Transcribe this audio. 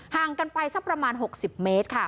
ห่างกันไปสักประมาณ๖๐เมตรค่ะ